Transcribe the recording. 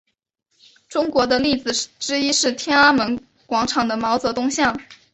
中国的例子之一是天安门广场的毛泽东像。